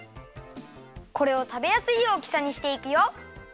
これをたべやすい大きさにしていくよ。